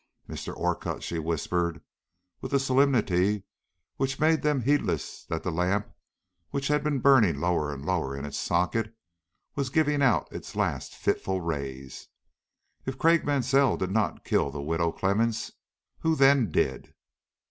"Mr. Orcutt," she whispered, with a solemnity which made them heedless that the lamp which had been burning lower and lower in its socket was giving out its last fitful rays, "if Craik Mansell did not kill the Widow Clemmens who then did?"